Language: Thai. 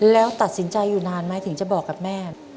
แล้วตัดสินใจอยู่นานไหมถึงจะบอกกับแม่